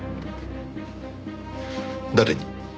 誰に？